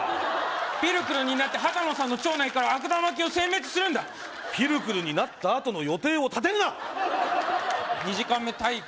ピルクルになって羽多野さんの腸内から悪玉菌をせん滅するんだピルクルになったあとの予定を立てるな２時間目体育